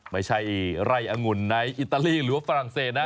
ไม่ใช่ไร่อังุ่นในอิตาลีหรือว่าฝรั่งเศสนะ